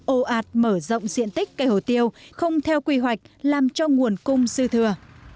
ồ ạt mở rộng diện tích cây hồ tiêu không theo quy hoạch làm cho nguồn cung dư thừa